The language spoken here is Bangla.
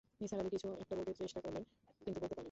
নিসার আলি কিছু একটা বলতে চেষ্টা করলেন, কিন্তু বলতে পারলেন না।